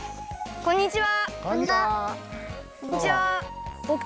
こんにちは！